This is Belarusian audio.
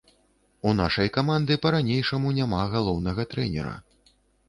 У нашай каманды па-ранейшаму няма галоўнага трэнера.